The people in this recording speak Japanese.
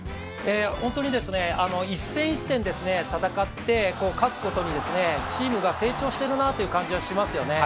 本当に一戦一戦戦って勝つごとに、チームが成長しているなという感じがしますよね。